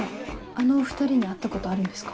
あのお２人に会ったことあるんですか？